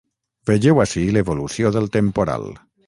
Vegeu ací l’evolució del temporal.